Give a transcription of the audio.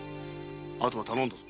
あとは頼んだぞ。